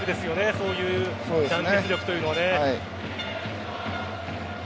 そういう団結力というのは。